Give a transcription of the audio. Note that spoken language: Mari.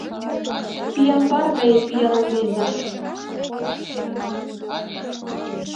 Пиямбар гае пиалан лийза.